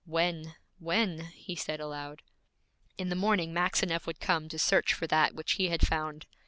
'When? When?' he said aloud. In the morning Maxineff would come to search for that which he had found.